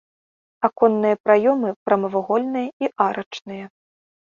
Аконныя праёмы прамавугольныя і арачныя.